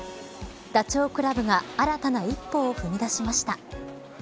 ダチョウ倶楽部が新たな一歩を踏み出しました。